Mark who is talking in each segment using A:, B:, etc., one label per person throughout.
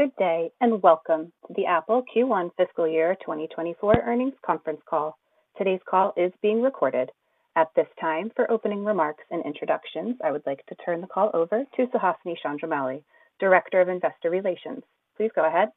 A: Good day, and welcome to the Apple Q1 Fiscal Year 2024 Earnings Conference Call. Today's call is being recorded. At this time, for opening remarks and introductions, I would like to turn the call over to Suhasini Chandramouli, Director of Investor Relations. Please go ahead.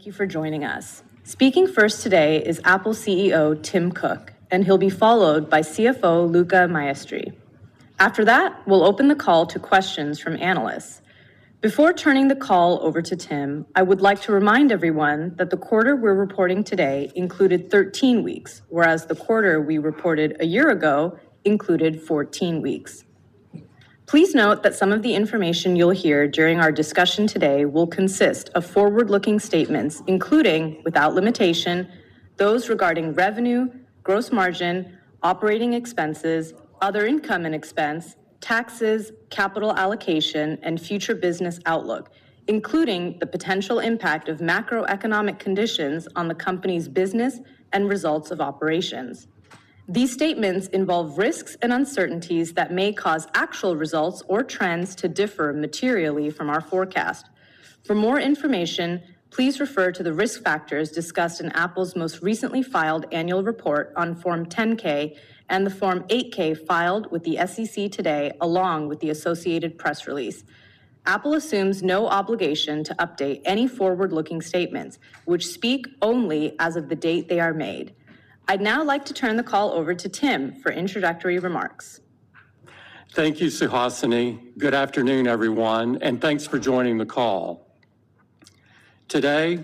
A: Thank you for joining us. Speaking first today is Apple CEO, Tim Cook, and he'll be followed by CFO, Luca Maestri. After that, we'll open the call to questions from analysts. Before turning the call over to Tim, I would like to remind everyone that the quarter we're reporting today included 13 weeks, whereas the quarter we reported a year ago included 14 weeks. Please note that some of the information you'll hear during our discussion today will consist of forward-looking statements, including, without limitation, those regarding revenue, gross margin, operating expenses, other income and expense, taxes, capital allocation, and future business outlook, including the potential impact of macroeconomic conditions on the company's business and results of operations. These statements involve risks and uncertainties that may cause actual results or trends to differ materially from our forecast. For more information, please refer to the risk factors discussed in Apple's most recently filed annual report on Form 10-K and the Form 8-K filed with the SEC today, along with the associated press release. Apple assumes no obligation to update any forward-looking statements, which speak only as of the date they are made. I'd now like to turn the call over to Tim for introductory remarks.
B: Thank you, Suhasini. Good afternoon, everyone, and thanks for joining the call. Today,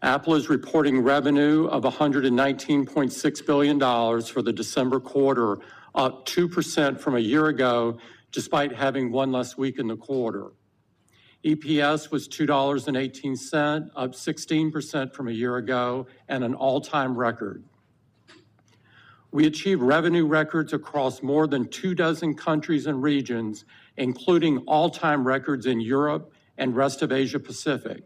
B: Apple is reporting revenue of $119.6 billion for the December quarter, up 2% from a year ago, despite having one less week in the quarter. EPS was $2.18, up 16% from a year ago and an all-time record. We achieved revenue records across more than two dozen countries and regions, including all-time records in Europe and Rest of Asia Pacific.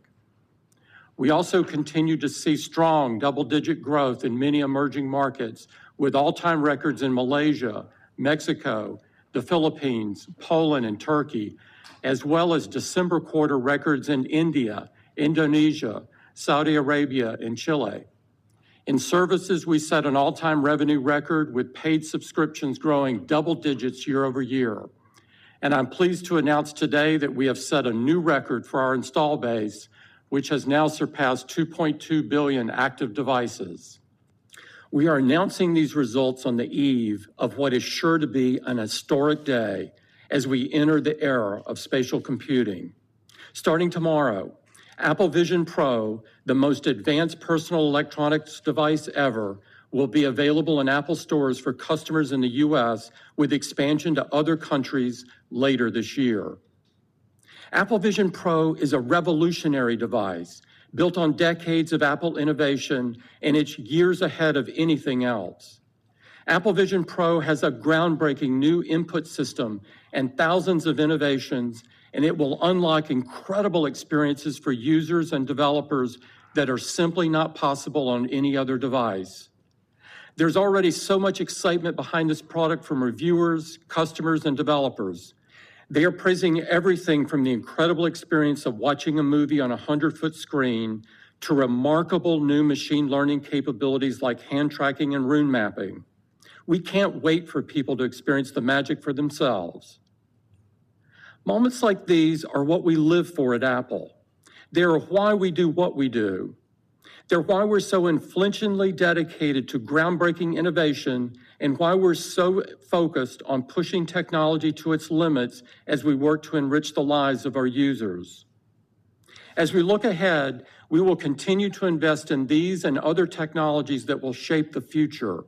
B: We also continue to see strong double-digit growth in many emerging markets, with all-time records in Malaysia, Mexico, the Philippines, Poland, and Turkey, as well as December quarter records in India, Indonesia, Saudi Arabia, and Chile. In services, we set an all-time revenue record with paid subscriptions growing double digits year-over-year. I'm pleased to announce today that we have set a new record for our installed base, which has now surpassed 2.2 billion active devices. We are announcing these results on the eve of what is sure to be an historic day as we enter the era of spatial computing. Starting tomorrow, Apple Vision Pro, the most advanced personal electronics device ever, will be available in Apple Stores for customers in the U.S., with expansion to other countries later this year. Apple Vision Pro is a revolutionary device built on decades of Apple innovation, and it's years ahead of anything else. Apple Vision Pro has a groundbreaking new input system and thousands of innovations, and it will unlock incredible experiences for users and developers that are simply not possible on any other device. There's already so much excitement behind this product from reviewers, customers, and developers. They are praising everything from the incredible experience of watching a movie on a 100-foot screen to remarkable new machine learning capabilities like hand tracking and room mapping. We can't wait for people to experience the magic for themselves. Moments like these are what we live for at Apple. They are why we do what we do. They're why we're so unflinchingly dedicated to groundbreaking innovation and why we're so focused on pushing technology to its limits as we work to enrich the lives of our users. As we look ahead, we will continue to invest in these and other technologies that will shape the future.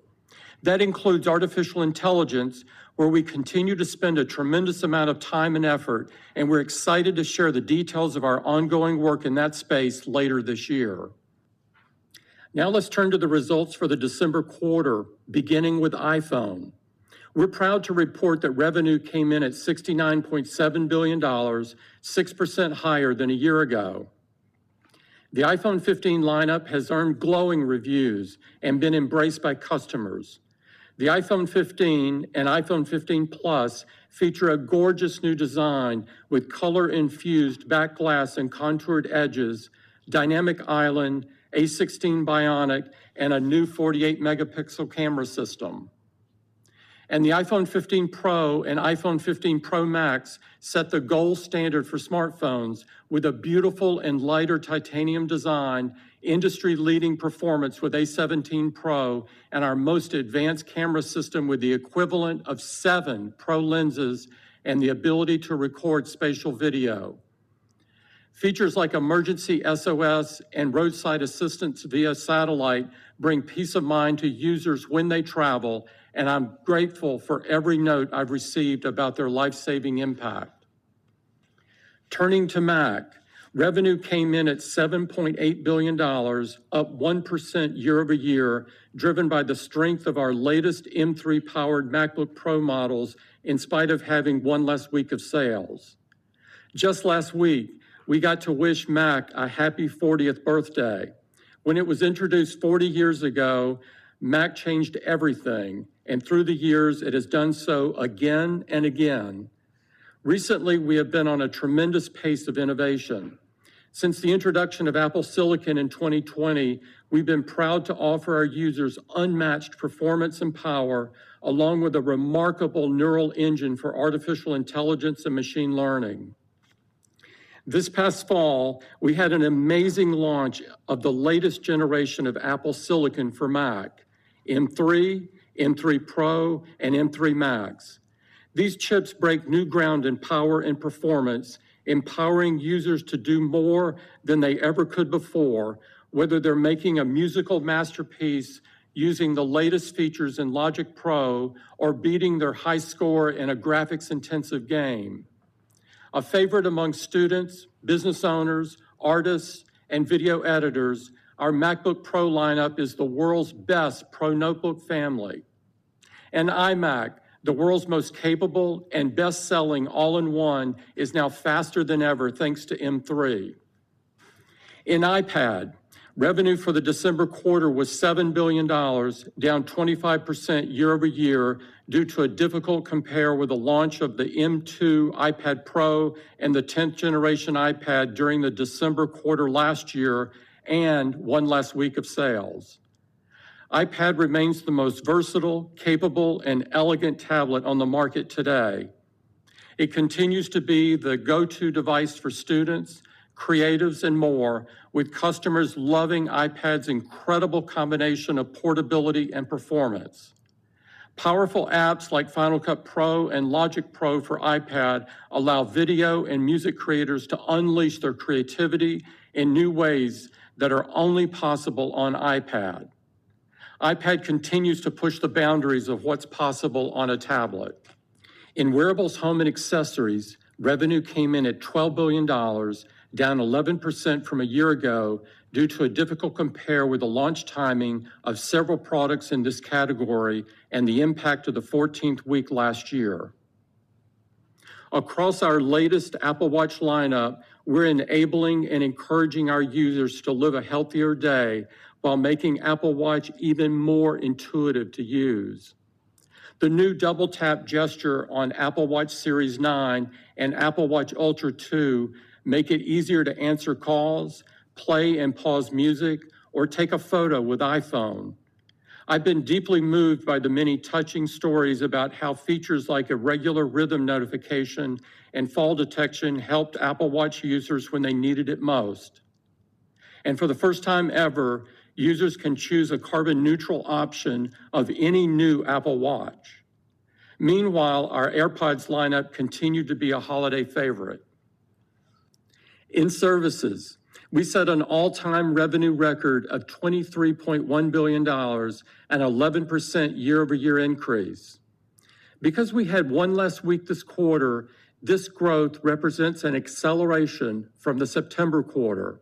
B: That includes artificial intelligence, where we continue to spend a tremendous amount of time and effort, and we're excited to share the details of our ongoing work in that space later this year. Now let's turn to the results for the December quarter, beginning with iPhone. We're proud to report that revenue came in at $69.7 billion, 6% higher than a year ago. The iPhone 15 lineup has earned glowing reviews and been embraced by customers. The iPhone 15 and iPhone 15 Plus feature a gorgeous new design with color-infused back glass and contoured edges, Dynamic Island, A16 Bionic, and a new 48-megapixel camera system. The iPhone 15 Pro and iPhone 15 Pro Max set the gold standard for smartphones with a beautiful and lighter titanium design, industry-leading performance with A17 Pro, and our most advanced camera system with the equivalent of seven pro lenses and the ability to record spatial video. Features like Emergency SOS via satellite and Roadside Assistance via satellite bring peace of mind to users when they travel, and I'm grateful for every note I've received about their life-saving impact. Turning to Mac, revenue came in at $7.8 billion, up 1% year-over-year, driven by the strength of our latest M3-powered MacBook Pro models, in spite of having one less week of sales. Just last week, we got to wish Mac a happy 40th birthday. When it was introduced 40 years ago, Mac changed everything, and through the years, it has done so again and again. Recently, we have been on a tremendous pace of innovation. Since the introduction of Apple silicon in 2020, we've been proud to offer our users unmatched performance and power, along with a remarkable Neural Engine for artificial intelligence and machine learning. This past fall, we had an amazing launch of the latest generation of Apple silicon for Mac, M3, M3 Pro, and M3 Max. These chips break new ground in power and performance, empowering users to do more than they ever could before, whether they're making a musical masterpiece using the latest features in Logic Pro or beating their high score in a graphics-intensive game. A favorite among students, business owners, artists, and video editors, our MacBook Pro lineup is the world's best pro notebook family. And iMac, the world's most capable and best-selling all-in-one, is now faster than ever, thanks to M3. In iPad, revenue for the December quarter was $7 billion, down 25% year-over-year, due to a difficult compare with the launch of the M2 iPad Pro and the 10th generation iPad during the December quarter last year and one less week of sales. iPad remains the most versatile, capable, and elegant tablet on the market today. It continues to be the go-to device for students, creatives, and more, with customers loving iPad's incredible combination of portability and performance. Powerful apps like Final Cut Pro and Logic Pro for iPad allow video and music creators to unleash their creativity in new ways that are only possible on iPad. iPad continues to push the boundaries of what's possible on a tablet. In wearables, home, and accessories, revenue came in at $12 billion, down 11% from a year ago, due to a difficult compare with the launch timing of several products in this category and the impact of the 14th week last year. Across our latest Apple Watch lineup, we're enabling and encouraging our users to live a healthier day while making Apple Watch even more intuitive to use. The new double-tap gesture on Apple Watch Series 9 and Apple Watch Ultra 2 makes it easier to answer calls, play and pause music, or take a photo with iPhone. I've been deeply moved by the many touching stories about how features like irregular rhythm notification and fall detection helped Apple Watch users when they needed it most. For the first time ever, users can choose a carbon-neutral option of any new Apple Watch. Meanwhile, our AirPods lineup continued to be a holiday favorite. In services, we set an all-time revenue record of $23.1 billion, an 11% year-over-year increase. Because we had one less week this quarter, this growth represents an acceleration from the September quarter,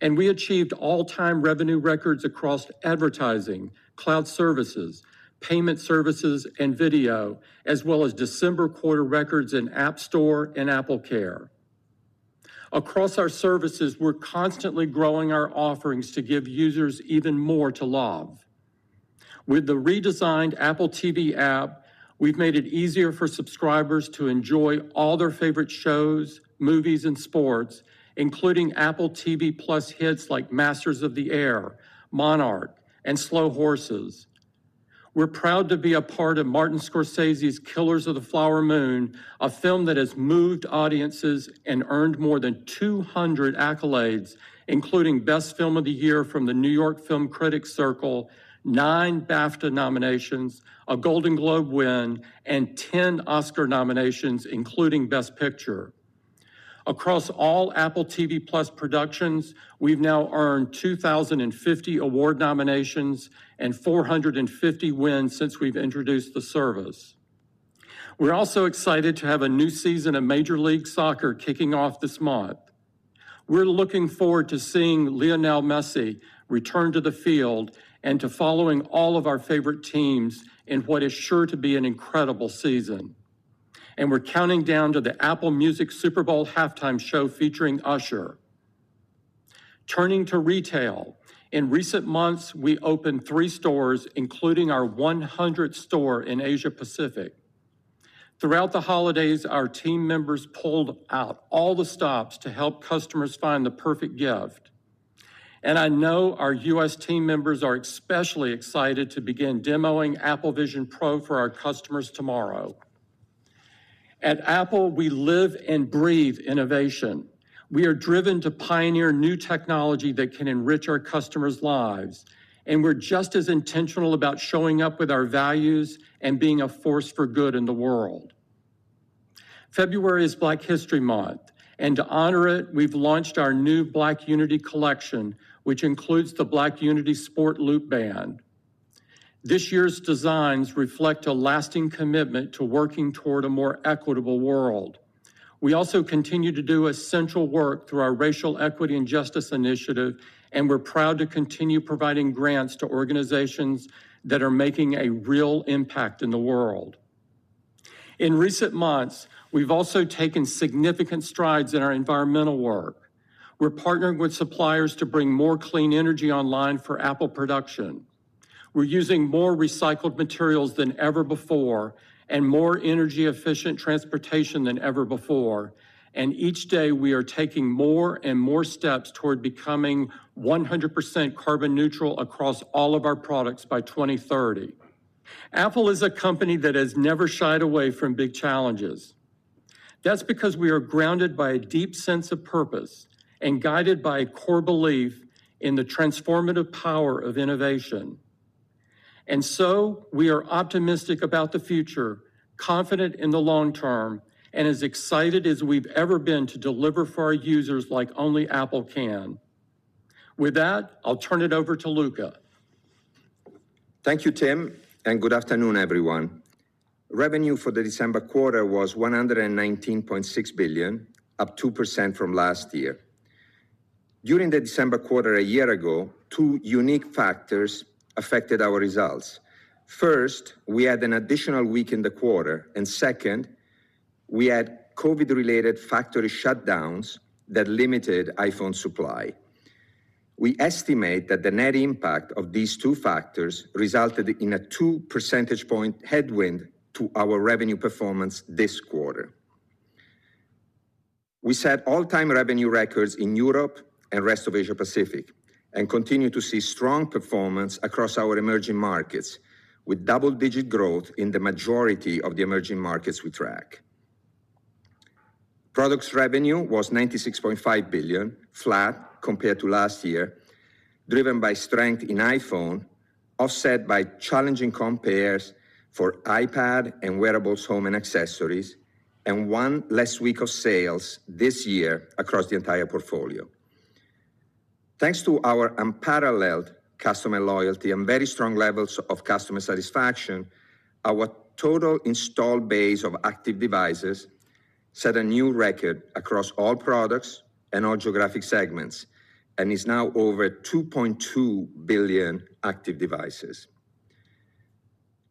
B: and we achieved all-time revenue records across advertising, cloud services, payment services, and video, as well as December quarter records in App Store and AppleCare. Across our services, we're constantly growing our offerings to give users even more to love. With the redesigned Apple TV app, we've made it easier for subscribers to enjoy all their favorite shows, movies, and sports, including Apple TV+ hits like Masters of the Air, Monarch, and Slow Horses. We're proud to be a part of Martin Scorsese's Killers of the Flower Moon, a film that has moved audiences and earned more than 200 accolades, including Best Film of the Year from the New York Film Critics Circle, nine BAFTA nominations, a Golden Globe win, and 10 Oscar nominations, including Best Picture. Across all Apple TV+ productions, we've now earned 2,050 award nominations and 450 wins since we've introduced the service. We're also excited to have a new season of Major League Soccer kicking off this month. We're looking forward to seeing Lionel Messi return to the field and to following all of our favorite teams in what is sure to be an incredible season. We're counting down to the Apple Music Super Bowl halftime show featuring Usher. Turning to retail, in recent months, we opened three stores, including our 100th store in Asia Pacific. Throughout the holidays, our team members pulled out all the stops to help customers find the perfect gift, and I know our U.S. team members are especially excited to begin demoing Apple Vision Pro for our customers tomorrow. At Apple, we live and breathe innovation. We are driven to pioneer new technology that can enrich our customers' lives, and we're just as intentional about showing up with our values and being a force for good in the world. February is Black History Month, and to honor it, we've launched our new Black Unity collection, which includes the Black Unity Sport Loop band.... This year's designs reflect a lasting commitment to working toward a more equitable world. We also continue to do essential work through our Racial Equity and Justice Initiative, and we're proud to continue providing grants to organizations that are making a real impact in the world. In recent months, we've also taken significant strides in our environmental work. We're partnering with suppliers to bring more clean energy online for Apple production. We're using more recycled materials than ever before and more energy-efficient transportation than ever before, and each day we are taking more and more steps toward becoming 100% carbon neutral across all of our products by 2030. Apple is a company that has never shied away from big challenges. That's because we are grounded by a deep sense of purpose and guided by a core belief in the transformative power of innovation. And so we are optimistic about the future, confident in the long term, and as excited as we've ever been to deliver for our users like only Apple can. With that, I'll turn it over to Luca.
C: Thank you, Tim, and good afternoon, everyone. Revenue for the December quarter was $119.6 billion, up 2% from last year. During the December quarter a year ago, two unique factors affected our results. First, we had an additional week in the quarter, and second, we had COVID-related factory shutdowns that limited iPhone supply. We estimate that the net impact of these two factors resulted in a two percentage point headwind to our revenue performance this quarter. We set all-time revenue records in Europe and rest of Asia Pacific and continue to see strong performance across our emerging markets, with double-digit growth in the majority of the emerging markets we track. Products revenue was $96.5 billion, flat compared to last year, driven by strength in iPhone, offset by challenging compares for iPad and wearables, home, and accessories, and one less week of sales this year across the entire portfolio. Thanks to our unparalleled customer loyalty and very strong levels of customer satisfaction, our total installed base of active devices set a new record across all products and all geographic segments and is now over 2.2 billion active devices.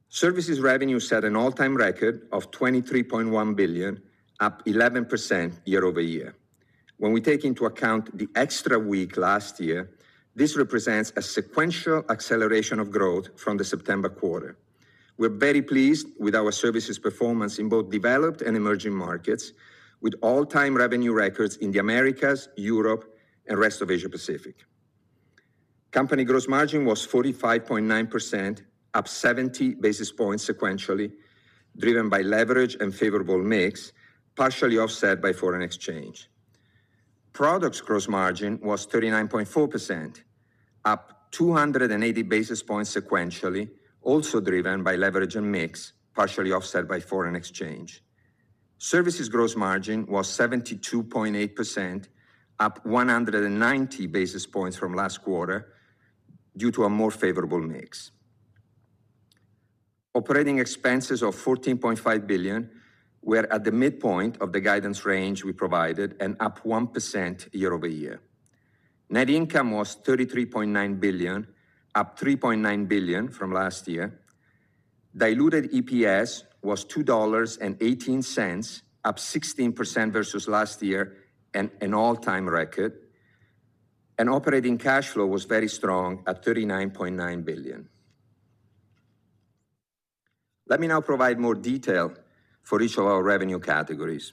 C: Services revenue set an all-time record of $23.1 billion, up 11% year-over-year. When we take into account the extra week last year, this represents a sequential acceleration of growth from the September quarter. We're very pleased with our services performance in both developed and emerging markets, with all-time revenue records in the Americas, Europe, and rest of Asia Pacific. Company gross margin was 45.9%, up 70 basis points sequentially, driven by leverage and favorable mix, partially offset by foreign exchange. Products gross margin was 39.4%, up 280 basis points sequentially, also driven by leverage and mix, partially offset by foreign exchange. Services gross margin was 72.8%, up 190 basis points from last quarter due to a more favorable mix. Operating expenses of $14.5 billion were at the midpoint of the guidance range we provided and up 1% year-over-year. Net income was $33.9 billion, up $3.9 billion from last year. Diluted EPS was $2.18, up 16% versus last year, and an all-time record. Operating cash flow was very strong at $39.9 billion. Let me now provide more detail for each of our revenue categories.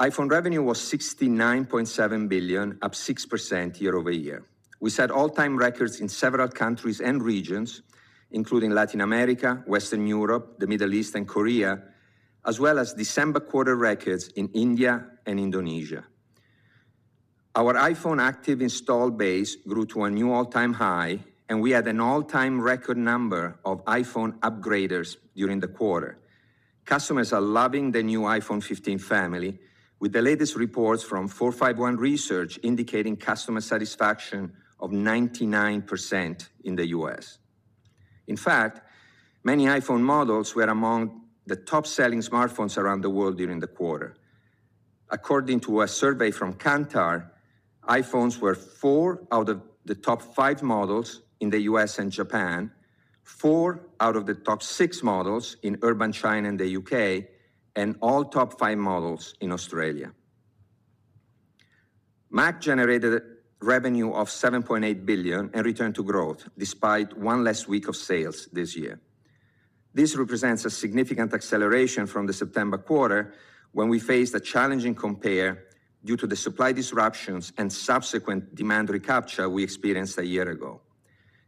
C: iPhone revenue was $69.7 billion, up 6% year-over-year. We set all-time records in several countries and regions, including Latin America, Western Europe, the Middle East, and Korea, as well as December quarter records in India and Indonesia. Our iPhone active installed base grew to a new all-time high, and we had an all-time record number of iPhone upgraders during the quarter. Customers are loving the new iPhone 15 family, with the latest reports from 451 Research indicating customer satisfaction of 99% in the US. In fact, many iPhone models were among the top-selling smartphones around the world during the quarter. According to a survey from Kantar, iPhones were four out of the top five models in the U.S. and Japan, four out of the top six models in urban China and the U.K., and all top five models in Australia. Mac generated revenue of $7.8 billion and returned to growth despite one less week of sales this year. This represents a significant acceleration from the September quarter when we faced a challenging compare due to the supply disruptions and subsequent demand recapture we experienced a year ago.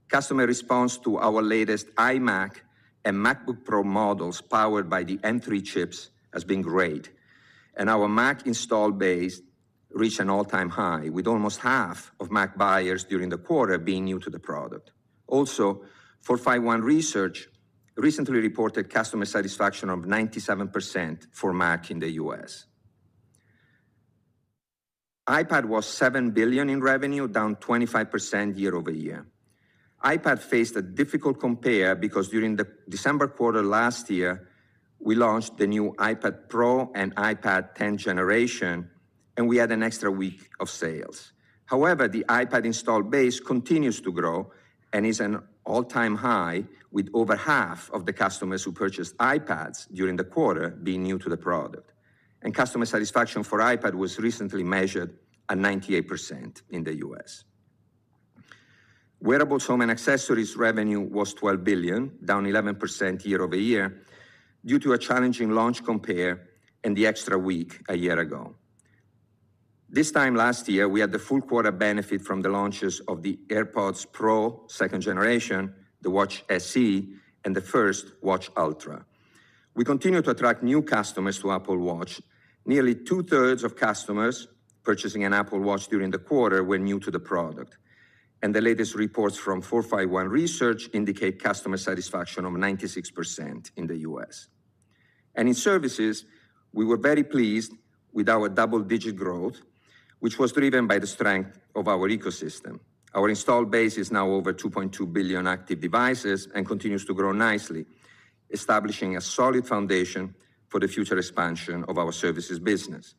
C: Customer response to our latest iMac and MacBook Pro models, powered by the M3 chips, has been great, and our Mac installed base reached an all-time high, with almost half of Mac buyers during the quarter being new to the product. Also, 451 Research recently reported customer satisfaction of 97% for Mac in the U.S. iPad was $7 billion in revenue, down 25% year-over-year. iPad faced a difficult compare because during the December quarter last year, we launched the new iPad Pro and iPad 10th generation, and we had an extra week of sales. However, the iPad installed base continues to grow and is an all-time high, with over half of the customers who purchased iPads during the quarter being new to the product. And customer satisfaction for iPad was recently measured at 98% in the U.S. Wearables, home, and accessories revenue was $12 billion, down 11% year-over-year, due to a challenging launch compare and the extra week a year ago. This time last year, we had the full quarter benefit from the launches of the AirPods Pro 2nd generation, the Watch SE, and the first Watch Ultra. We continue to attract new customers to Apple Watch. Nearly two-thirds of customers purchasing an Apple Watch during the quarter were new to the product, and the latest reports from 451 Research indicate customer satisfaction of 96% in the U.S. In services, we were very pleased with our double-digit growth, which was driven by the strength of our ecosystem. Our installed base is now over 2.2 billion active devices and continues to grow nicely, establishing a solid foundation for the future expansion of our services business.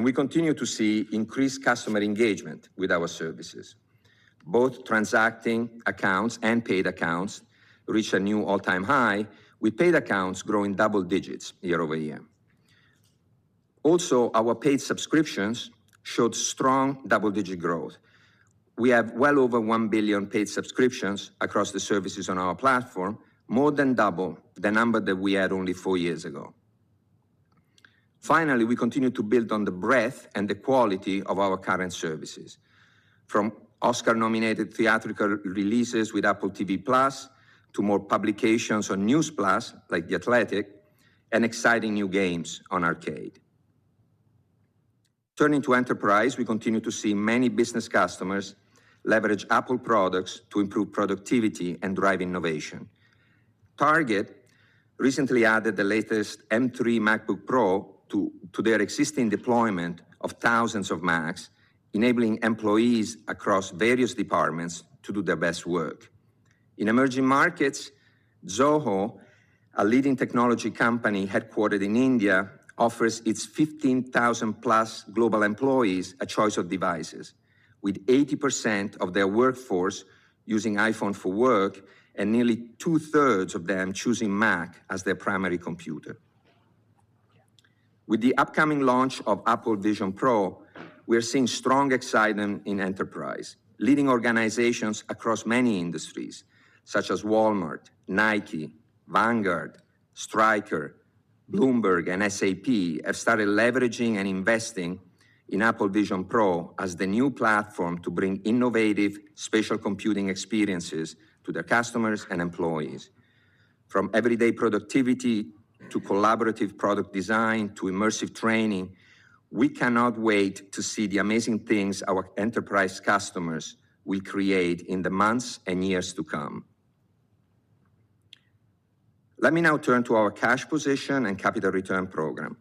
C: We continue to see increased customer engagement with our services. Both transacting accounts and paid accounts reached a new all-time high, with paid accounts growing double digits year-over-year. Also, our paid subscriptions showed strong double-digit growth. We have well over 1 billion paid subscriptions across the services on our platform, more than double the number that we had only four years ago. Finally, we continue to build on the breadth and the quality of our current services, from Oscar-nominated theatrical releases with Apple TV+ to more publications on News+ like The Athletic and exciting new games on Arcade. Turning to enterprise, we continue to see many business customers leverage Apple products to improve productivity and drive innovation. Target recently added the latest M3 MacBook Pro to their existing deployment of thousands of Macs, enabling employees across various departments to do their best work. In emerging markets, Zoho, a leading technology company headquartered in India, offers its 15,000 global employees a choice of devices, with 80% of their workforce using iPhone for work and nearly two-thirds of them choosing Mac as their primary computer. With the upcoming launch of Apple Vision Pro, we are seeing strong excitement in enterprise. Leading organizations across many industries, such as Walmart, Nike, Vanguard, Stryker, Bloomberg, and SAP, have started leveraging and investing in Apple Vision Pro as the new platform to bring innovative spatial computing experiences to their customers and employees. From everyday productivity to collaborative product design to immersive training, we cannot wait to see the amazing things our enterprise customers will create in the months and years to come. Let me now turn to our cash position and capital return program.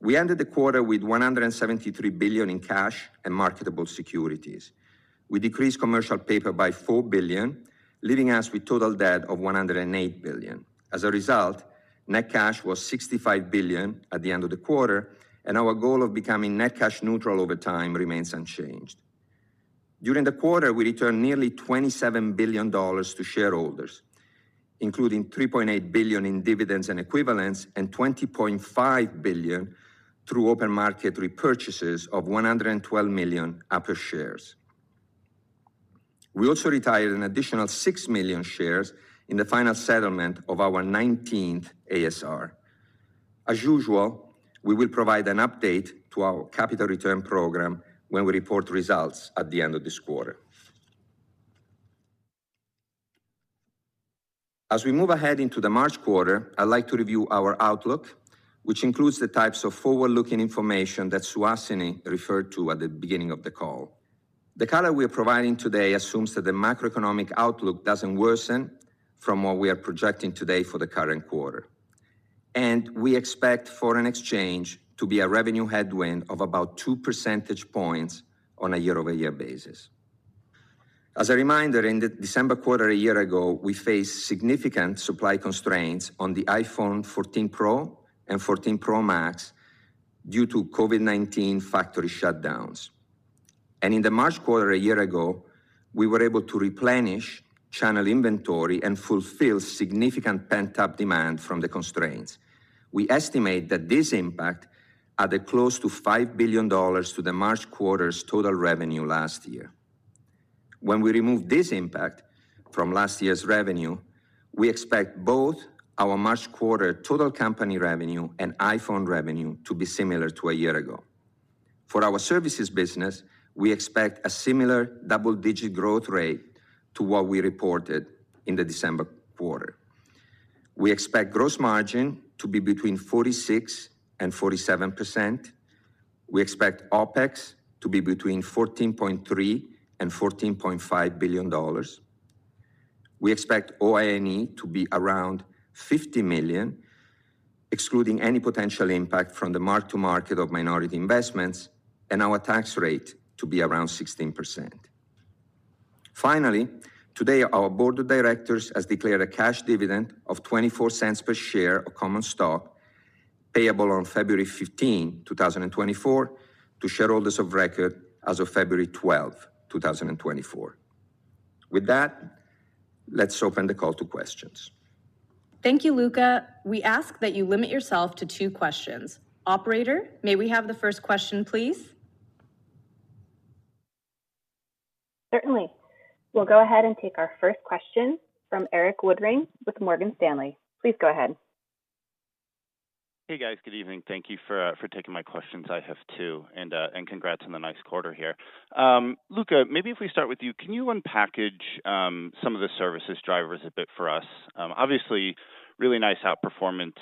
C: We ended the quarter with $173 billion in cash and marketable securities. We decreased commercial paper by $4 billion, leaving us with total debt of $108 billion. As a result, net cash was $65 billion at the end of the quarter, and our goal of becoming net cash neutral over time remains unchanged. During the quarter, we returned nearly $27 billion to shareholders, including $3.8 billion in dividends and equivalents and $20.5 billion through open market repurchases of 112 million Apple shares. We also retired an additional 6 million shares in the final settlement of our 19th ASR. As usual, we will provide an update to our capital return program when we report results at the end of this quarter. As we move ahead into the March quarter, I'd like to review our outlook, which includes the types of forward-looking information that Suhasini referred to at the beginning of the call. The guidance we are providing today assumes that the macroeconomic outlook doesn't worsen from what we are projecting today for the current quarter. We expect foreign exchange to be a revenue headwind of about 2 percentage points on a year-over-year basis. As a reminder, in the December quarter a year ago, we faced significant supply constraints on the iPhone 14 Pro and 14 Pro Max due to COVID-19 factory shutdowns. In the March quarter a year ago, we were able to replenish channel inventory and fulfill significant pent-up demand from the constraints. We estimate that this impact added close to $5 billion to the March quarter's total revenue last year. When we remove this impact from last year's revenue, we expect both our March quarter total company revenue and iPhone revenue to be similar to a year ago. For our services business, we expect a similar double-digit growth rate to what we reported in the December quarter. We expect gross margin to be between 46%-47%. We expect OpEx to be between $14.3 billion-$14.5 billion. We expect OIE to be around $50 million, excluding any potential impact from the mark-to-market of minority investments, and our tax rate to be around 16%. Finally, today, our board of directors has declared a cash dividend of $0.24 per share of common stock, payable on February 15, 2024, to shareholders of record as of February 12, 2024. With that, let's open the call to questions.
A: Thank you, Luca. We ask that you limit yourself to two questions. Operator, may we have the first question, please?
D: Certainly. We'll go ahead and take our first question from Erik Woodring with Morgan Stanley. Please go ahead.
E: Hey, guys. Good evening. Thank you for taking my questions. I have two, and congrats on the nice quarter here. Luca, maybe if we start with you, can you unpack some of the services drivers a bit for us? Obviously, really nice outperformance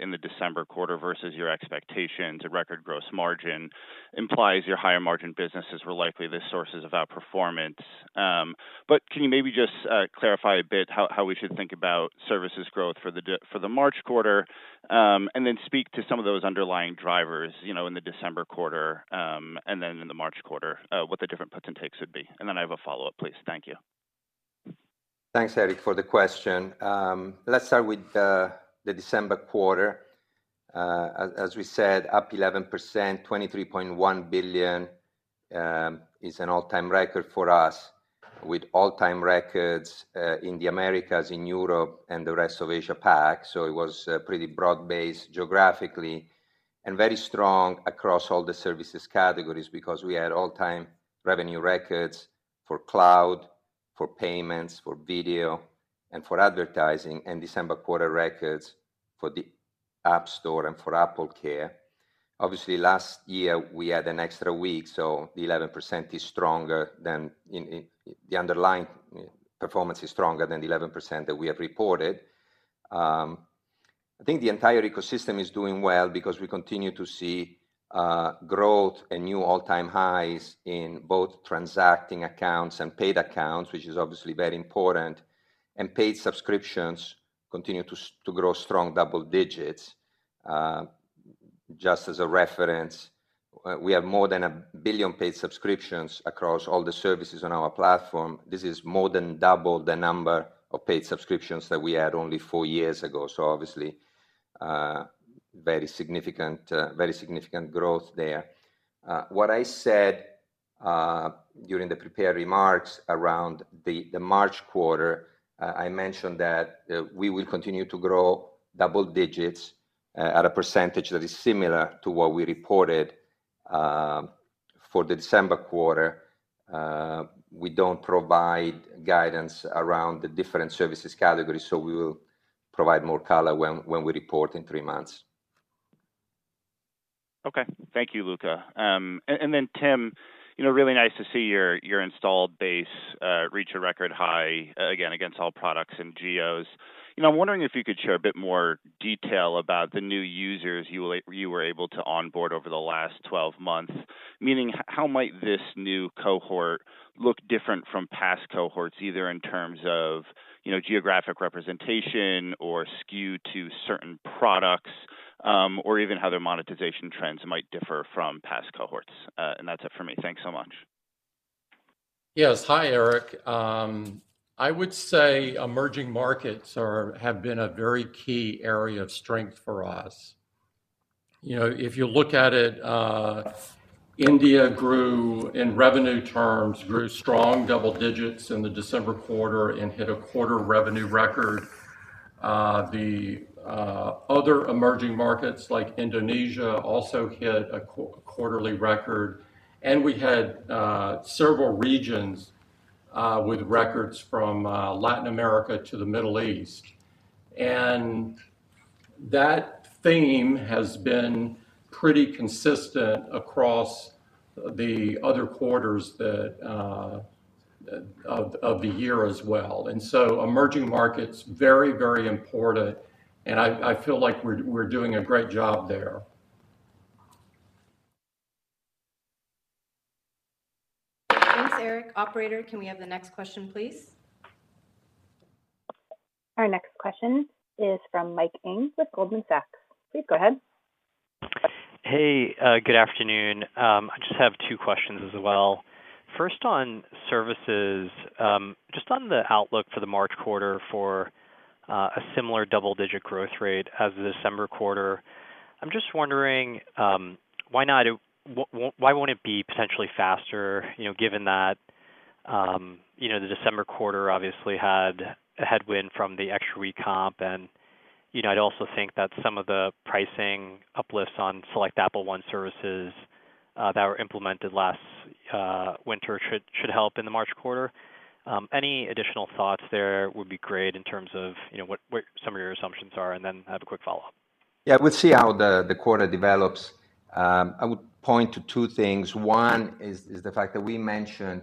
E: in the December quarter versus your expectations. A record gross margin implies your higher margin businesses were likely the sources of outperformance. But can you maybe just clarify a bit how we should think about services growth for the March quarter, and then speak to some of those underlying drivers, you know, in the December quarter, and then in the March quarter, what the different puts and takes would be? And then I have a follow-up, please. Thank you.
C: Thanks, Eric, for the question. Let's start with the December quarter. As we said, up 11%, $23.1 billion is an all-time record for us, with all-time records in the Americas, in Europe, and the Rest of Asia-Pac. So it was pretty broad-based geographically and very strong across all the services categories because we had all-time revenue records for cloud, for payments, for video, and for advertising, and December quarter records for the App Store and for Apple Care. Obviously, last year we had an extra week, so the 11% is stronger than in, in... The underlying performance is stronger than the 11% that we have reported. I think the entire ecosystem is doing well because we continue to see growth and new all-time highs in both transacting accounts and paid accounts, which is obviously very important. Paid subscriptions continue to grow strong double digits. Just as a reference, we have more than 1 billion paid subscriptions across all the services on our platform. This is more than double the number of paid subscriptions that we had only four years ago, so obviously, very significant, very significant growth there. What I said during the prepared remarks around the March quarter, I mentioned that we will continue to grow double digits at a percentage that is similar to what we reported for the December quarter. We don't provide guidance around the different services categories, so we will provide more color when we report in three months.
E: Okay. Thank you, Luca. And then, Tim, you know, really nice to see your installed base reach a record high again against all products and geos. You know, I'm wondering if you could share a bit more detail about the new users you were able to onboard over the last 12 months. Meaning, how might this new cohort look different from past cohorts, either in terms of, you know, geographic representation or skew to certain products, or even how their monetization trends might differ from past cohorts? And that's it for me. Thanks so much.
B: Yes. Hi, Eric. I would say emerging markets have been a very key area of strength for us. You know, if you look at it, India grew, in revenue terms, grew strong double digits in the December quarter and hit a quarter revenue record. The other emerging markets like Indonesia also hit a quarterly record, and we had several regions with records from Latin America to the Middle East. And that theme has been pretty consistent across the other quarters that of the year as well. And so emerging markets, very, very important, and I feel like we're doing a great job there.
A: Thanks, Eric. Operator, can we have the next question, please?
D: Our next question is from Mike Ng with Goldman Sachs. Please go ahead.
F: Hey, good afternoon. I just have two questions as well. First, on services, just on the outlook for the March quarter for a similar double-digit growth rate as the December quarter, I'm just wondering, why won't it be potentially faster, you know, given that, you know, the December quarter obviously had a headwind from the extra week comp? And, you know, I'd also think that some of the pricing uplifts on select Apple One services that were implemented last winter should help in the March quarter. Any additional thoughts there would be great in terms of, you know, what some of your assumptions are, and then I have a quick follow-up.
C: Yeah, we'll see how the quarter develops. I would point to two things. One is the fact that we mentioned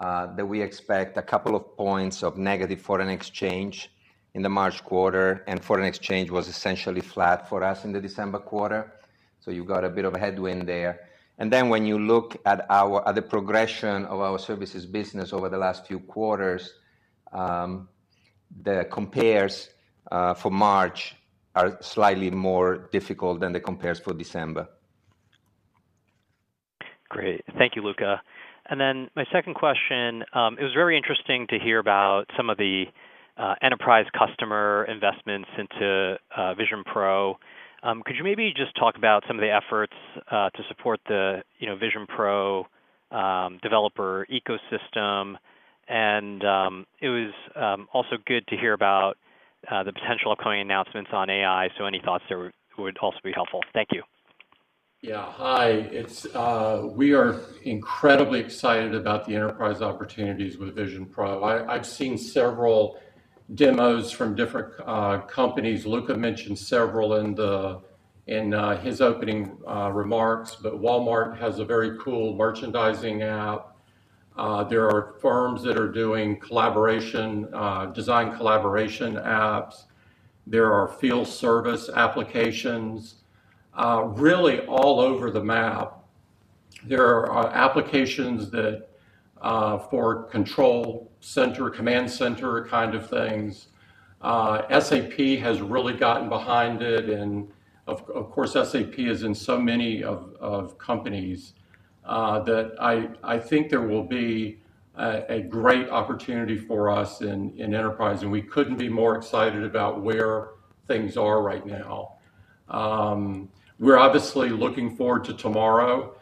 C: that we expect a couple of points of negative foreign exchange in the March quarter, and foreign exchange was essentially flat for us in the December quarter. So you've got a bit of a headwind there. And then when you look at the progression of our services business over the last few quarters, the compares for March are slightly more difficult than the compares for December.
F: Great. Thank you, Luca. And then my second question, it was very interesting to hear about some of the enterprise customer investments into Vision Pro. Could you maybe just talk about some of the efforts to support the, you know, Vision Pro developer ecosystem? And it was also good to hear about the potential upcoming announcements on AI, so any thoughts there would also be helpful. Thank you.
B: Yeah. Hi, it's we are incredibly excited about the enterprise opportunities with Vision Pro. I've seen several demos from different companies. Luca mentioned several in his opening remarks, but Walmart has a very cool merchandising app. There are firms that are doing collaboration design collaboration apps. There are field service applications, really all over the map. There are applications that for control center, command center kind of things. SAP has really gotten behind it, and of course, SAP is in so many companies that I think there will be a great opportunity for us in enterprise, and we couldn't be more excited about where things are right now. We're obviously looking forward to tomorrow.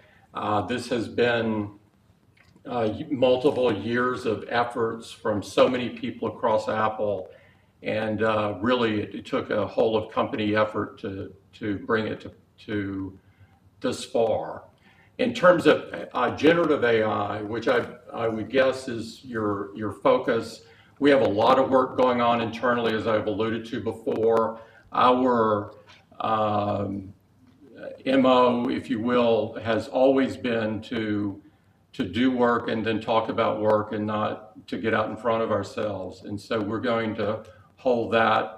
B: This has been multiple years of efforts from so many people across Apple, and really, it took a whole of company effort to bring it to this far. In terms of generative AI, which I would guess is your focus, we have a lot of work going on internally, as I've alluded to before. Our MO, if you will, has always been to do work and then talk about work and not to get out in front of ourselves, and so we're going to hold that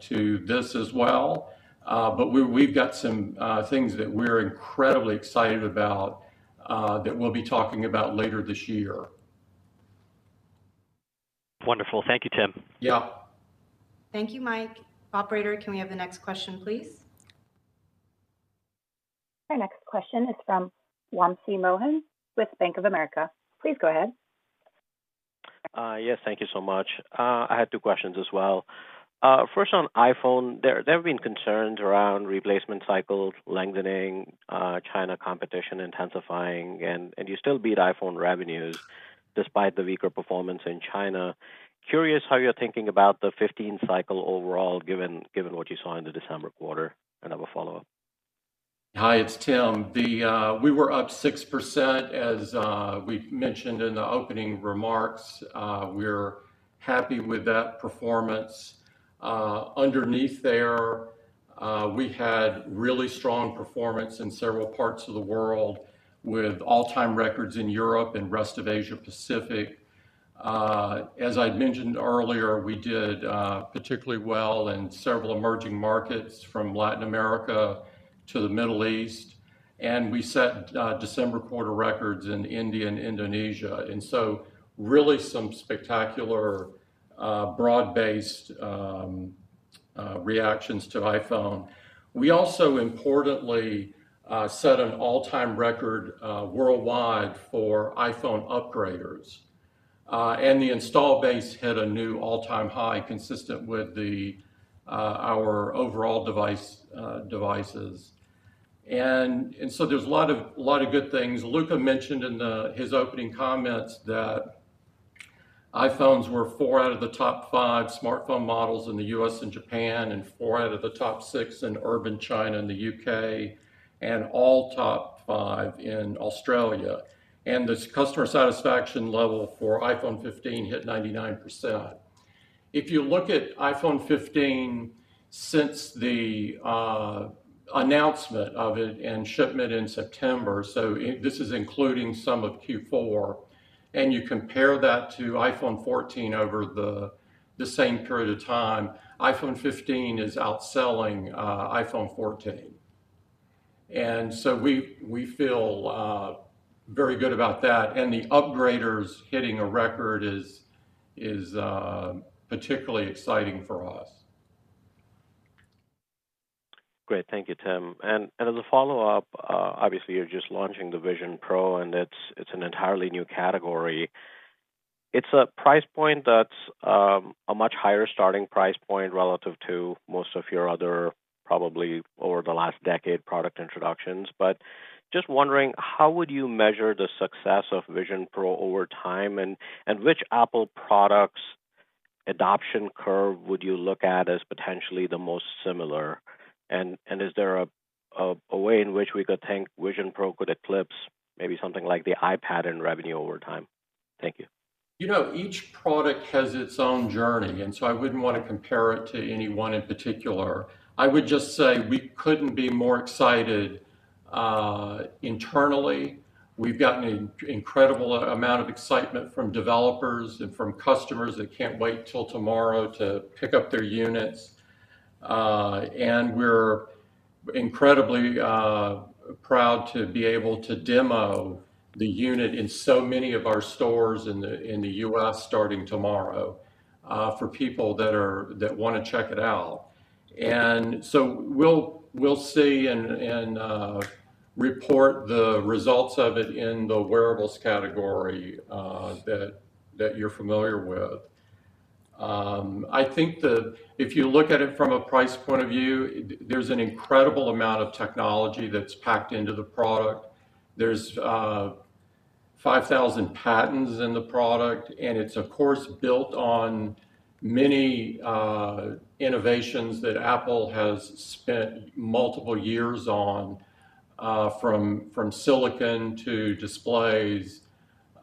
B: to this as well. But we've got some things that we're incredibly excited about that we'll be talking about later this year.
F: Wonderful. Thank you, Tim.
B: Yeah.
A: Thank you, Mike. Operator, can we have the next question, please?
D: Our next question is from Wamsi Mohan with Bank of America. Please go ahead.
G: Yes, thank you so much. I had two questions as well. First, on iPhone, there have been concerns around replacement cycles lengthening, China competition intensifying, and you still beat iPhone revenues despite the weaker performance in China. Curious how you're thinking about the fifteen cycle overall, given what you saw in the December quarter, and I have a follow-up.
B: Hi, it's Tim. We were up 6%, as we mentioned in the opening remarks. We're happy with that performance. Underneath there, we had really strong performance in several parts of the world, with all-time records in Europe and rest of Asia Pacific. As I'd mentioned earlier, we did particularly well in several emerging markets, from Latin America to the Middle East, and we set December quarter records in India and Indonesia. And so really some spectacular broad-based reactions to iPhone. We also importantly set an all-time record worldwide for iPhone upgraders, and the install base hit a new all-time high, consistent with our overall devices. And so there's a lot of lot of good things. Luca mentioned in the, his opening comments that iPhones were four out of the top five smartphone models in the U.S. and Japan, and four out of the top six in urban China and the U.K., and all top five in Australia, and the customer satisfaction level for iPhone 15 hit 99%. If you look at iPhone 15 since the announcement of it and shipment in September, so this is including some of Q4, and you compare that to iPhone 14 over the same period of time, iPhone 15 is outselling iPhone 14. And so we feel very good about that, and the upgraders hitting a record is particularly exciting for us.
G: Great. Thank you, Tim. And as a follow-up, obviously, you're just launching the Vision Pro, and it's an entirely new category. It's a price point that's a much higher starting price point relative to most of your other, probably over the last decade, product introductions. But just wondering, how would you measure the success of Vision Pro over time, and which Apple product's adoption curve would you look at as potentially the most similar? And is there a way in which we could think Vision Pro could eclipse maybe something like the iPad in revenue over time? Thank you.
B: You know, each product has its own journey, and so I wouldn't want to compare it to any one in particular. I would just say we couldn't be more excited. Internally, we've gotten an incredible amount of excitement from developers and from customers that can't wait till tomorrow to pick up their units. And we're incredibly proud to be able to demo the unit in so many of our stores in the U.S. starting tomorrow, for people that wanna check it out. And so we'll see and report the results of it in the wearables category that you're familiar with. I think if you look at it from a price point of view, there's an incredible amount of technology that's packed into the product. There's 5,000 patents in the product, and it's of course built on many innovations that Apple has spent multiple years on, from silicon to displays,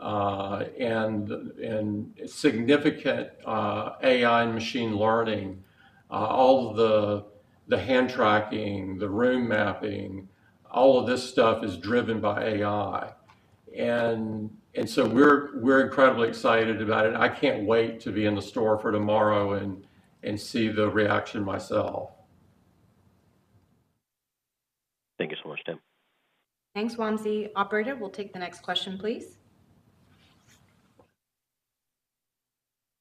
B: and significant AI and machine learning. All of the hand tracking, the room mapping, all of this stuff is driven by AI. And so we're incredibly excited about it. I can't wait to be in the store for tomorrow and see the reaction myself.
G: Thank you so much, Tim.
A: Thanks, Wamsi. Operator, we'll take the next question, please.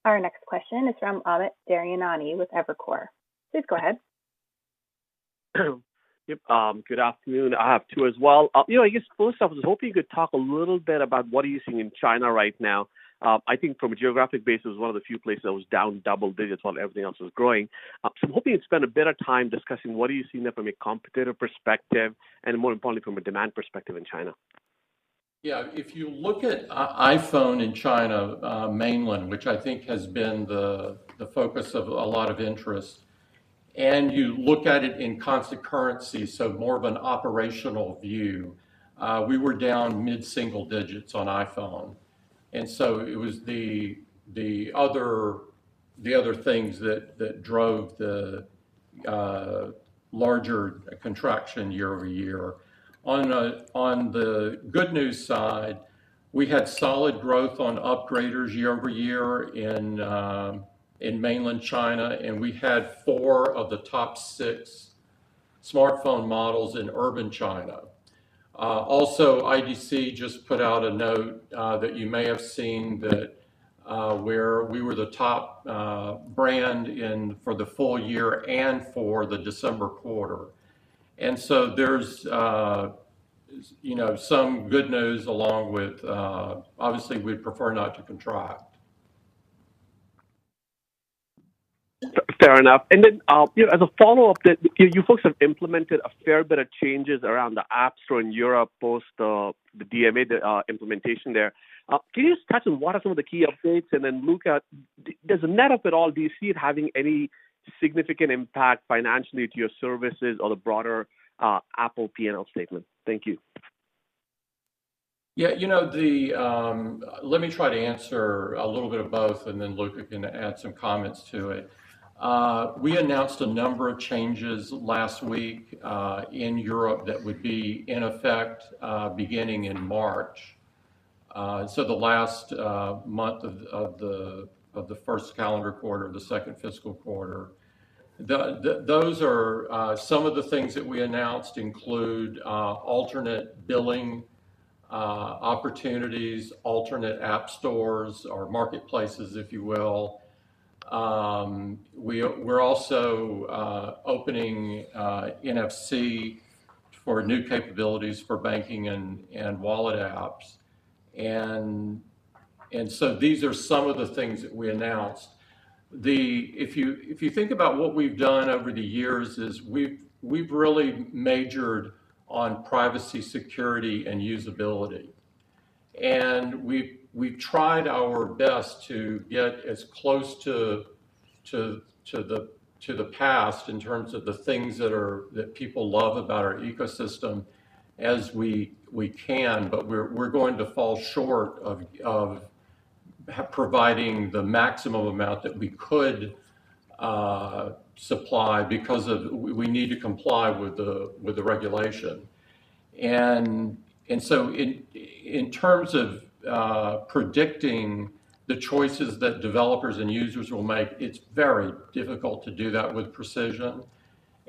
D: Our next question is from Amit Daryanani with Evercore. Please go ahead.
H: Yep, good afternoon. I have two as well. You know, I guess, first off, I was hoping you could talk a little bit about what are you seeing in China right now? I think from a geographic base, it was one of the few places that was down double digits while everything else was growing. So I'm hoping you'd spend a bit of time discussing what are you seeing there from a competitive perspective and, more importantly, from a demand perspective in China.
B: Yeah, if you look at iPhone in China, mainland, which I think has been the focus of a lot of interest, and you look at it in constant currency, so more of an operational view, we were down mid-single digits on iPhone, and so it was the other things that drove the larger contraction year-over-year. On the good news side, we had solid growth on upgraders year-over-year in mainland China, and we had four of the top six smartphone models in urban China. Also, IDC just put out a note that you may have seen that where we were the top brand in for the full year and for the December quarter. And so there's you know, some good news along with. Obviously, we'd prefer not to contract.
H: Fair enough. And then, you know, as a follow-up, that you folks have implemented a fair bit of changes around the App Store in Europe post the DMA, the implementation there. Can you just touch on what are some of the key updates, and then, Luca, does it net up at all, do you see it having any significant impact financially to your services or the broader Apple P&L statement? Thank you.
B: Yeah, you know. Let me try to answer a little bit of both, and then, Luca, can add some comments to it. We announced a number of changes last week in Europe that would be in effect beginning in March, so the last month of the first calendar quarter, the second fiscal quarter. Those are some of the things that we announced include alternate billing opportunities, alternate app stores or marketplaces, if you will. We are also opening NFC for new capabilities for banking and wallet apps. And so these are some of the things that we announced. If you think about what we've done over the years, we've really majored on privacy, security, and usability, and we've tried our best to get as close to the past in terms of the things that people love about our ecosystem as we can, but we're going to fall short of providing the maximum amount that we could supply because we need to comply with the regulation. So in terms of predicting the choices that developers and users will make, it's very difficult to do that with precision.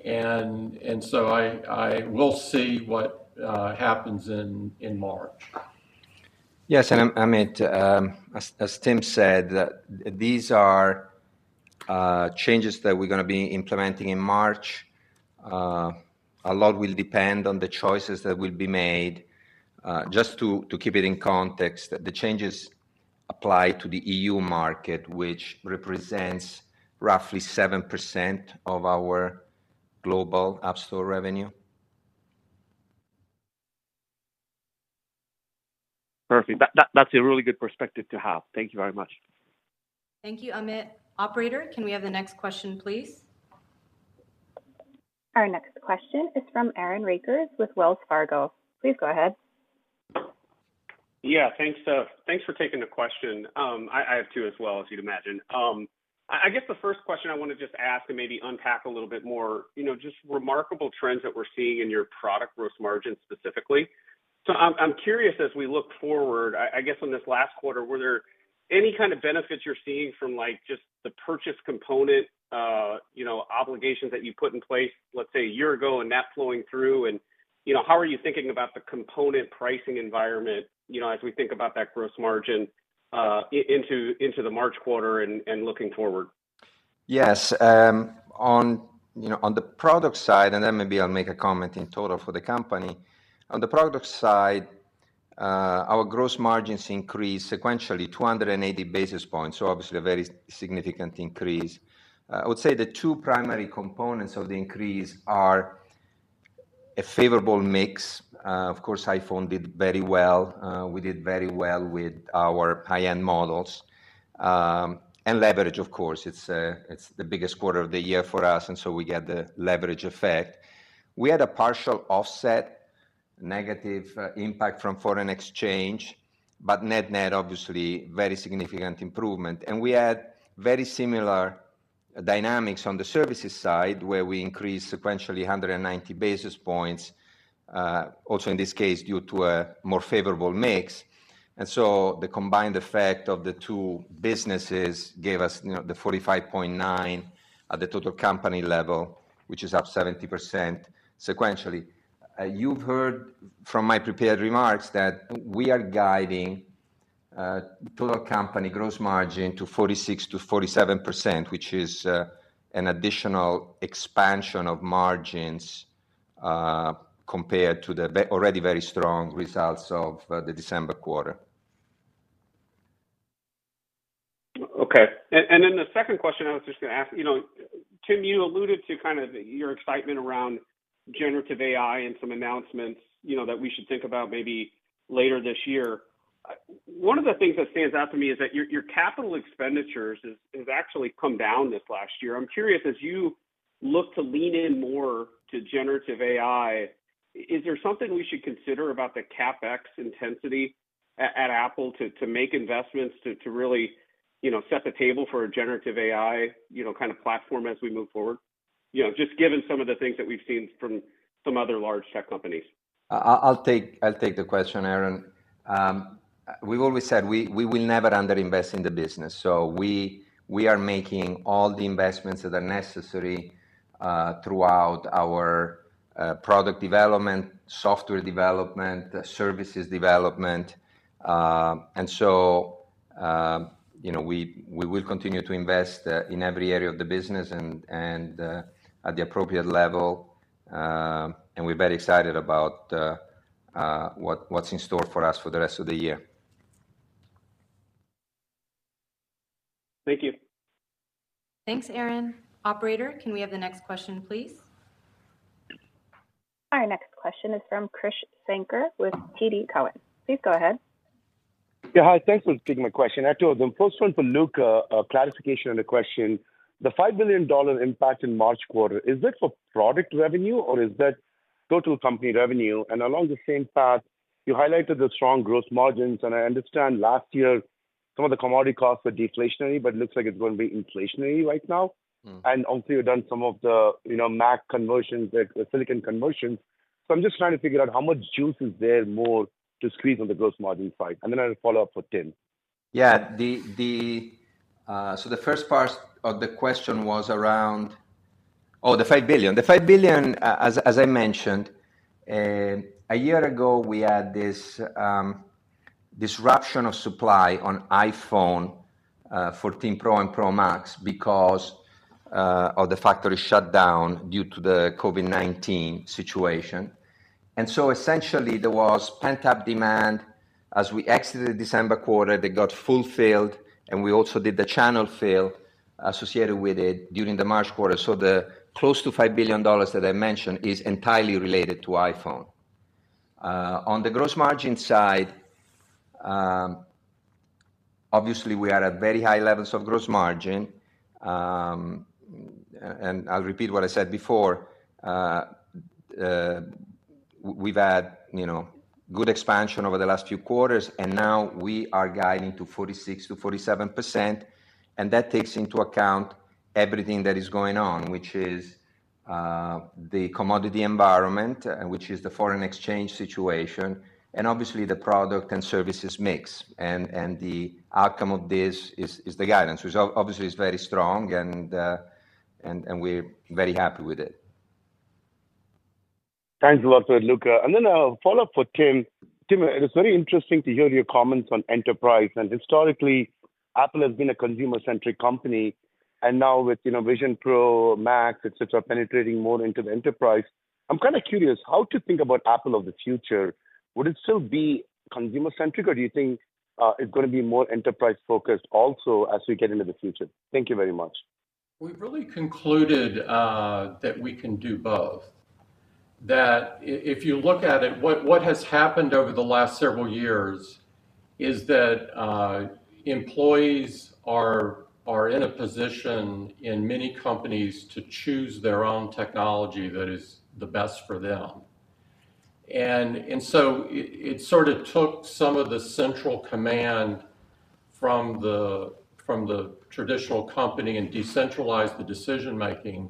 B: So I'll see what happens in March.
C: Yes, and, Amit, as Tim said, that these are changes that we're gonna be implementing in March. A lot will depend on the choices that will be made. Just to keep it in context, the changes apply to the EU market, which represents roughly 7% of our global App Store revenue.
H: Perfect. That's a really good perspective to have. Thank you very much.
A: Thank you, Amit. Operator, can we have the next question, please?
D: Our next question is from Aaron Rakers with Wells Fargo. Please go ahead....
I: Yeah, thanks, thanks for taking the question. I have two as well, as you'd imagine. I guess the first question I want to just ask and maybe unpack a little bit more, you know, just remarkable trends that we're seeing in your product gross margin specifically. So I'm curious, as we look forward, I guess on this last quarter, were there any kind of benefits you're seeing from, like, just the purchase component, you know, obligations that you put in place, let's say, a year ago, and that flowing through? And, you know, how are you thinking about the component pricing environment, you know, as we think about that gross margin into the March quarter and looking forward?
C: Yes, on, you know, on the product side, and then maybe I'll make a comment in total for the company. On the product side, our gross margins increased sequentially 200 basis points, so obviously a very significant increase. I would say the two primary components of the increase are a favorable mix. Of course, iPhone did very well. We did very well with our high-end models, and leverage, of course. It's, it's the biggest quarter of the year for us, and so we get the leverage effect. We had a partial offset, negative impact from foreign exchange, but net-net, obviously, very significant improvement. And we had very similar dynamics on the services side, where we increased sequentially 190 basis points, also in this case, due to a more favorable mix. So the combined effect of the two businesses gave us, you know, the 45.9 at the total company level, which is up 70% sequentially. You've heard from my prepared remarks that we are guiding total company gross margin to 46%-47%, which is an additional expansion of margins compared to the already very strong results of the December quarter.
I: Okay. And then the second question I was just going to ask, you know, Tim, you alluded to kind of your excitement around generative AI and some announcements, you know, that we should think about maybe later this year. One of the things that stands out to me is that your capital expenditures has actually come down this last year. I'm curious, as you look to lean in more to generative AI, is there something we should consider about the CapEx intensity at Apple to make investments, to really, you know, set the table for a generative AI, you know, kind of platform as we move forward? You know, just given some of the things that we've seen from some other large tech companies.
C: I'll take the question, Aaron. We've always said we will never underinvest in the business, so we are making all the investments that are necessary throughout our product development, software development, services development. And so, you know, we will continue to invest in every area of the business and at the appropriate level. And we're very excited about what's in store for us for the rest of the year.
I: Thank you.
A: Thanks, Aaron. Operator, can we have the next question, please?
D: Our next question is from Krish Sankar with TD Cowen. Please go ahead.
J: Yeah, hi. Thanks for taking my question. I have two of them. First one for Luca, a clarification on the question. The $5 billion impact in March quarter, is this for product revenue or is that total company revenue? And along the same path, you highlighted the strong growth margins, and I understand last year some of the commodity costs were deflationary, but it looks like it's going to be inflationary right now.
C: Mm.
J: Also, you've done some of the, you know, Mac conversions, the silicon conversions. I'm just trying to figure out how much juice is there more to squeeze on the gross margin side? Then I have a follow-up for Tim.
C: Yeah. So the first part of the question was around. Oh, the $5 billion. The $5 billion, as I mentioned, a year ago, we had this disruption of supply on iPhone 14 Pro and Pro Max because of the factory shutdown due to the COVID-19 situation. And so essentially, there was pent-up demand as we exited the December quarter, that got fulfilled, and we also did the channel fill associated with it during the March quarter. So the close to $5 billion that I mentioned is entirely related to iPhone. On the gross margin side, obviously, we are at very high levels of gross margin. And I'll repeat what I said before. We've had, you know, good expansion over the last few quarters, and now we are guiding to 46%-47%, and that takes into account everything that is going on, which is the commodity environment, which is the foreign exchange situation, and obviously, the product and services mix. And the outcome of this is the guidance, which obviously is very strong, and we're very happy with it.
J: Thanks a lot, Luca. And then a follow-up for Tim. Tim, it is very interesting to hear your comments on enterprise. And historically, Apple has been a consumer-centric company, and now with, you know, Vision Pro, Max, et cetera, penetrating more into the enterprise, I'm kind of curious how to think about Apple of the future. Would it still be consumer-centric, or do you think it's going to be more enterprise-focused also as we get into the future? Thank you very much.
B: We've really concluded that we can do both. That if you look at it, what has happened over the last several years is that employees are in a position in many companies to choose their own technology that is the best for them. And so it sort of took some of the central command from the traditional company and decentralized the decision making.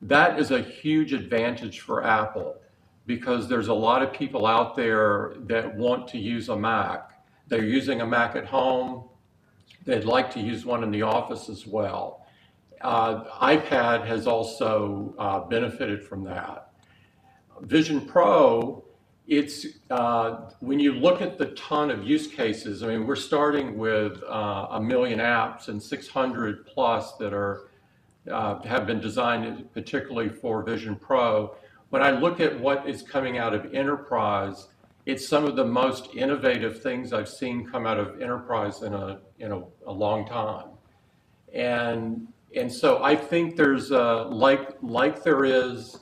B: That is a huge advantage for Apple, because there's a lot of people out there that want to use a Mac. They're using a Mac at home, they'd like to use one in the office as well. iPad has also benefited from that. Vision Pro, it's when you look at the ton of use cases, I mean, we're starting with 1 million apps and 600+ that have been designed particularly for Vision Pro. When I look at what is coming out of enterprise, it's some of the most innovative things I've seen come out of enterprise in a long time. And so I think there's a like there is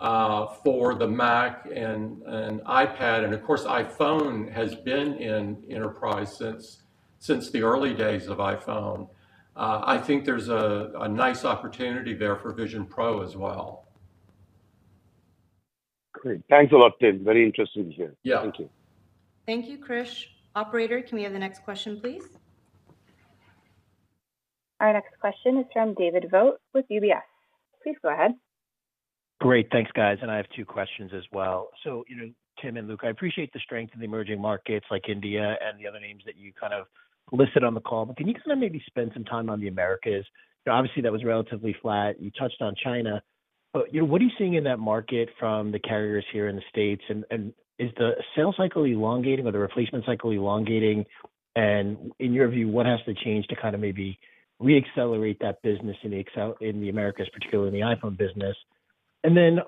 B: for the Mac and iPad, and of course, iPhone has been in enterprise since the early days of iPhone. I think there's a nice opportunity there for Vision Pro as well.
J: Great. Thanks a lot, Tim. Very interesting to hear.
B: Yeah.
J: Thank you.
A: Thank you, Krish. Operator, can we have the next question, please?
D: Our next question is from David Vogt with UBS. Please go ahead.
K: Great, thanks, guys, and I have two questions as well. So, you know, Tim and Luca, I appreciate the strength in the emerging markets like India and the other names that you kind of listed on the call. But can you kinda maybe spend some time on the Americas? Obviously, that was relatively flat. You touched on China, but, you know, what are you seeing in that market from the carriers here in the States? And is the sales cycle elongating or the replacement cycle elongating? And in your view, what has to change to kinda maybe re-accelerate that business in the ex-U.S. in the Americas, particularly in the iPhone business? And then,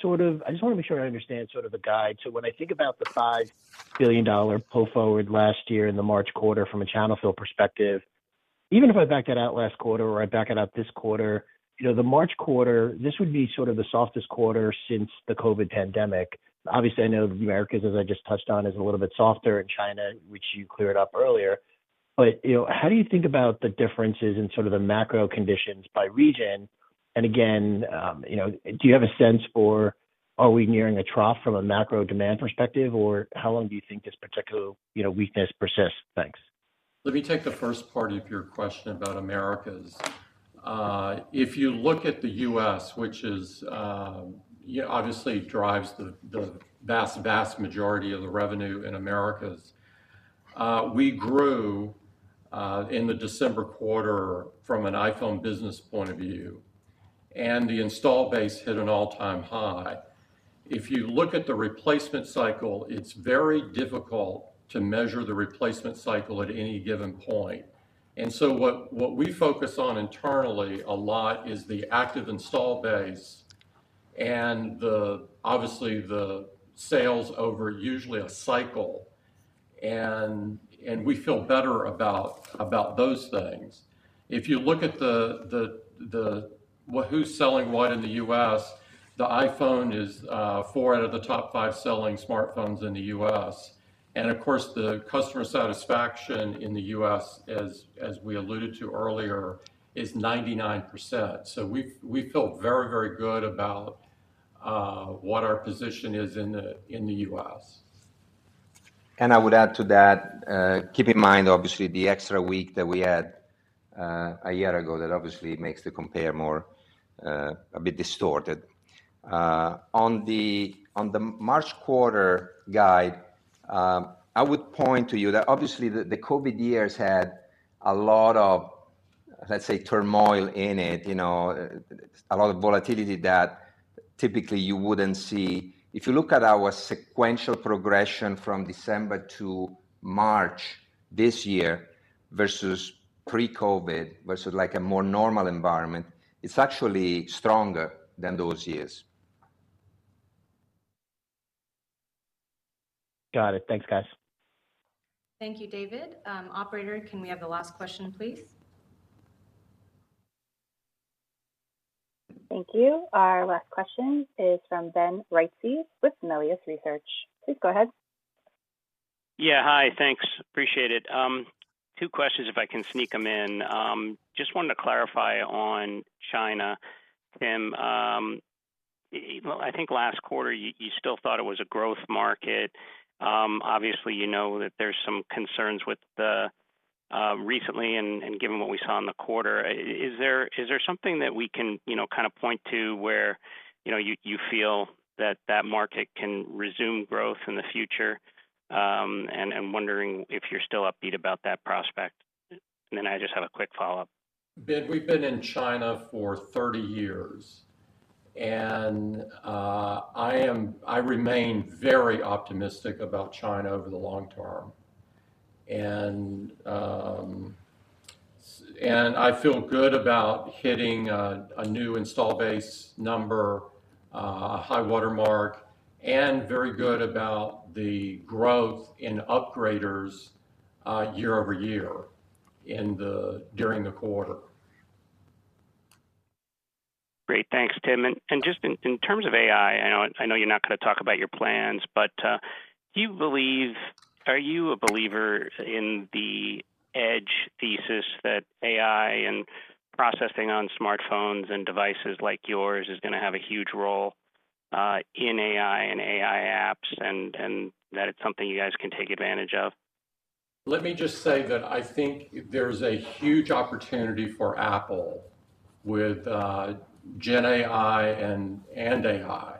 K: sort of, I just wanna make sure I understand sort of the guide. So when I think about the $5 billion pull forward last year in the March quarter from a channel fill perspective, even if I back that out last quarter, or I back it out this quarter, you know, the March quarter, this would be sort of the softest quarter since the COVID pandemic. Obviously, I know the Americas, as I just touched on, is a little bit softer, and China, which you cleared up earlier. But, you know, how do you think about the differences in sort of the macro conditions by region? And again, you know, do you have a sense for, are we nearing a trough from a macro demand perspective, or how long do you think this particular, you know, weakness persists? Thanks.
B: Let me take the first part of your question about Americas. If you look at the U.S., which is, yeah, obviously, drives the vast, vast majority of the revenue in Americas, we grew in the December quarter from an iPhone business point of view, and the install base hit an all-time high. If you look at the replacement cycle, it's very difficult to measure the replacement cycle at any given point. And so what we focus on internally a lot is the active install base and, obviously, the sales over usually a cycle, and we feel better about those things. If you look at who's selling what in the U.S., the iPhone is four out of the top five selling smartphones in the U.S. Of course, the customer satisfaction in the U.S., as we alluded to earlier, is 99%. We feel very, very good about what our position is in the U.S.
C: And I would add to that, keep in mind, obviously, the extra week that we had a year ago, that obviously makes the compare more a bit distorted. On the, on the March quarter guide, I would point to you that obviously the, the COVID years had a lot of, let's say, turmoil in it, you know, a lot of volatility that typically you wouldn't see. If you look at our sequential progression from December to March this year versus pre-COVID, versus like a more normal environment, it's actually stronger than those years.
K: Got it. Thanks, guys.
A: Thank you, David. Operator, can we have the last question, please?
D: Thank you. Our last question is from Ben Reitzes with Melius Research. Please go ahead.
L: Yeah, hi. Thanks. Appreciate it. Two questions, if I can sneak them in. Just wanted to clarify on China, Tim. Well, I think last quarter you, you still thought it was a growth market. Obviously, you know that there's some concerns with the... recently, and, and given what we saw in the quarter, is there, is there something that we can, you know, kind of point to where, you know, you, you feel that that market can resume growth in the future? And, and wondering if you're still upbeat about that prospect. And then I just have a quick follow-up.
B: Ben, we've been in China for 30 years, and I remain very optimistic about China over the long term. And I feel good about hitting a new Install Base number, a high water mark, and very good about the growth in upgraders, year-over-year during the quarter.
L: Great. Thanks, Tim. And just in terms of AI, I know you're not going to talk about your plans, but do you believe—Are you a believer in the edge thesis that AI and processing on smartphones and devices like yours is gonna have a huge role in AI and AI apps, and that it's something you guys can take advantage of?
B: Let me just say that I think there's a huge opportunity for Apple with GenAI and AI,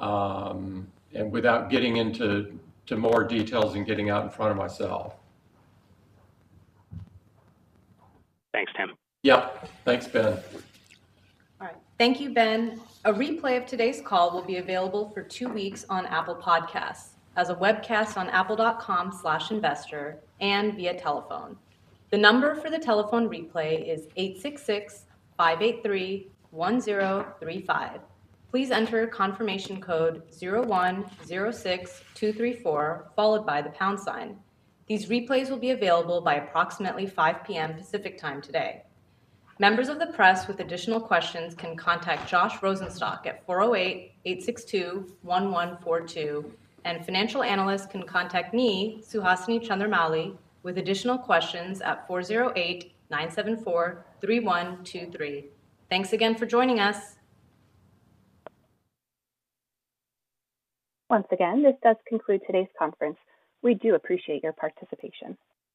B: and without getting into more details and getting out in front of myself.
L: Thanks, Tim.
B: Yep. Thanks, Ben.
A: All right. Thank you, Ben. A replay of today's call will be available for two weeks on Apple Podcasts, as a webcast on apple.com/investor, and via telephone. The number for the telephone replay is 866-583-1035. Please enter confirmation code 0106234, followed by the pound sign. These replays will be available by approximately 5 P.M. Pacific Time today. Members of the press with additional questions can contact Josh Rosenstock at 408-862-1142, and financial analysts can contact me, Suhasini Chandramouli, with additional questions at 408-974-3123. Thanks again for joining us.
D: Once again, this does conclude today's conference. We do appreciate your participation.